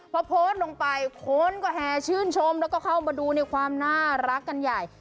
พอโพสต์ลงไปคนก็แห่ชื่นชมแล้วก็เข้ามาดูในความน่ารักกันใหญ่